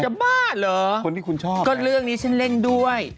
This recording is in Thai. บ้าเหรอคนที่คุณชอบก็เรื่องนี้ฉันเล่นด้วย